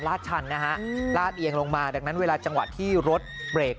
ชันนะฮะลาดเอียงลงมาดังนั้นเวลาจังหวะที่รถเบรก